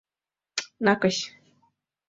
Накось!